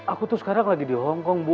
aku tuh sekarang lagi di hongkong bu